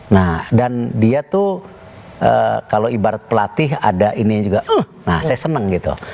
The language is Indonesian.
nah dan dia tuh kalau ibarat pelatih ada ini juga nah saya senang gitu